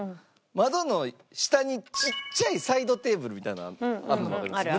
窓の下にちっちゃいサイドテーブルみたいなのあるのわかります？